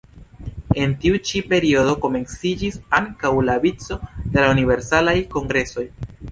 En tiu ĉi periodo komenciĝis ankaŭ la vico de la Universalaj Kongresoj.